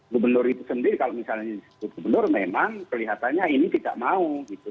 gubernur itu sendiri kalau misalnya disebut gubernur memang kelihatannya ini tidak mau gitu